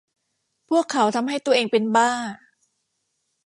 พวกเขาทำให้ตัวเองเป็นบ้า